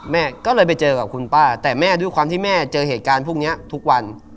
แม่ก็เลยไปเจอกับคุณป้าแต่แม่ด้วยความที่แม่เจอเหตุการณ์พวกนี้ทุกวัน